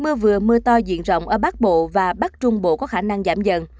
mưa vừa mưa to diện rộng ở bắc bộ và bắc trung bộ có khả năng giảm dần